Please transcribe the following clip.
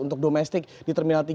untuk domestik di terminal tiga